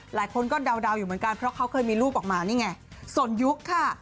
หลายคนก็เดาอยู่เหมือนกันเพราะเขาเคยมีรูปออกมานี่ไงส่วนยุคค่ะ